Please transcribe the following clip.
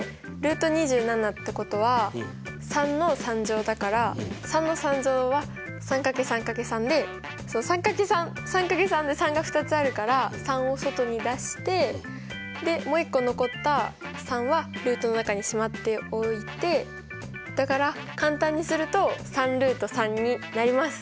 でってことは３の３乗だから３の３乗は３×３×３で３×３で３が２つあるから３を外に出してもう一個残った３はルートの中にしまっておいてだから簡単にすると３になります。